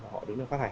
họ đứng ra phát hành